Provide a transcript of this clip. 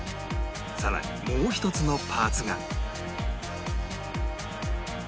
さらにもう一つのパーツが